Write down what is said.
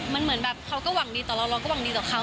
มันเหมือนแบบเขาก็หวังดีแต่เราก็หวังดีต่อเขา